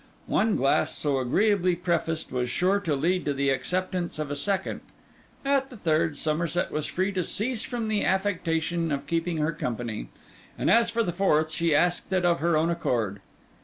One glass so agreeably prefaced, was sure to lead to the acceptance of a second; at the third, Somerset was free to cease from the affectation of keeping her company; and as for the fourth, she asked it of her own accord.